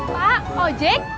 pak oh jack